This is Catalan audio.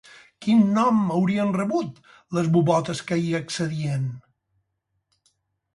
Quin nom haurien rebut, les bubotes que hi accedien?